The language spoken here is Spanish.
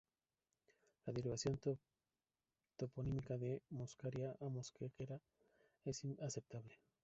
La derivación toponímica de "Muscaria" a Mosquera es muy aceptable.